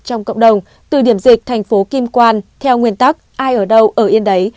trong cộng đồng từ điểm dịch thành phố kim quan theo nguyên tắc ai ở đâu ở yên đấy